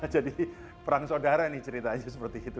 jadi perang saudara nih ceritanya seperti itu